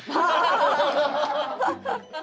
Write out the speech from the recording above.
ハハハハ！